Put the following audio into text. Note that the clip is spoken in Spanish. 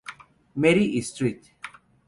Mary y St.